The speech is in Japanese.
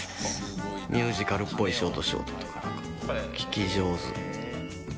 ミュージカルっぽいショートショートとか「聞き上手」。